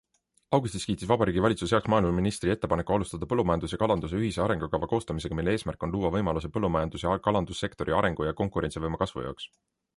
Augustis kiitis Vabariigi valitsus heaks maaeluministri ettepaneku alustada põllumajanduse ja kalanduse ühise arengukava koostamisega, mille eesmärk on luua võimalused põllumajandus- ja kalandussektori arengu ja konkurentsivõime kasvu jaoks.